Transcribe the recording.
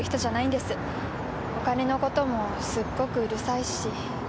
お金のこともすっごくうるさいし。